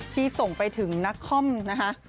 ที่ส่งไปถึงนักคอมนะคะ